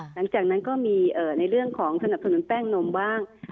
หลังจากนั้นก็มีในเรื่องของสนับสนุนแป้งนมบ้าง